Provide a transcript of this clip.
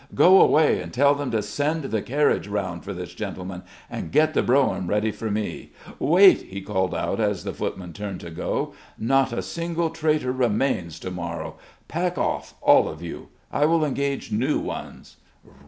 Go away and tell them to said the carriage round for this gentleman, and get the brougham ready for me. Wait," he called out as the footman turned to go. "Not a single traitor remains to morrow. Pack off all of you! I will engage new ones